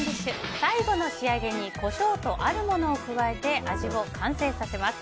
最後の仕上げにコショウとあるものを加えて味を完成させます。